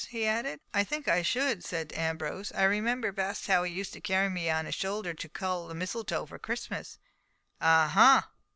he added. "I think I should," said Ambrose. "I remember best how he used to carry me on his shoulder to cull mistletoe for Christmas." "Ah, ha!